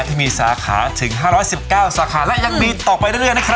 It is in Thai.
ที่มีสาขาถึงห้าร้อยสิบเก้าสาขาและยังมีต่อไปเรื่อยเรื่อยนะครับ